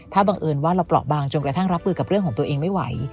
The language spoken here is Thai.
ถ้าบังเอิญว่าเราเปราะบางจนกระทั่งรับมือกับเรื่องของตัวเองไม่ไหว